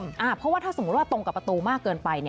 เพราะว่าถ้าสมมุติว่าตรงกับประตูมากเกินไป